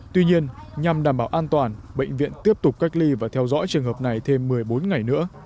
tuy nhiên nhằm đảm bảo an toàn bệnh viện tiếp tục cách ly và theo dõi trường hợp này thêm một mươi bốn ngày nữa